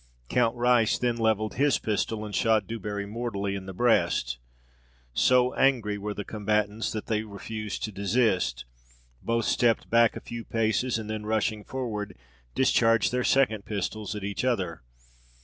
Count Rice then levelled his pistol, and shot Du Barri mortally in the breast. So angry were the combatants, that they refused to desist; both stepped back a few paces, and then rushing forward, discharged their second pistols at each other.